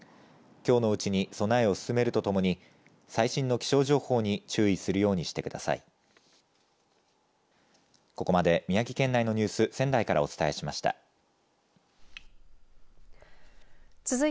きょうのうちに備えを進めるとともに最新の気象情報に注意するようにしてください。